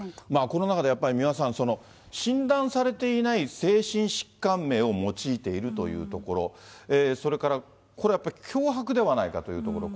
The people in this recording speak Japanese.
この中でやっぱり三輪さん、診断されていない精神疾患名を用いているというところ、それから、これはやっぱり脅迫ではないかというところ。